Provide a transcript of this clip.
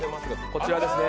こちらですね。